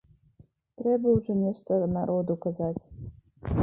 Трэба ўжо нешта народу казаць.